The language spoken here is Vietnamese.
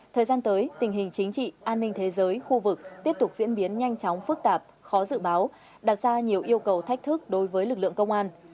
thời gian tới tình hình chính trị an ninh thế giới khu vực tiếp tục diễn biến nhanh chóng phức tạp khó dự báo đặt ra nhiều yêu cầu thách thức đối với lực lượng công an